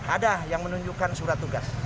ada yang menunjukkan surat tugas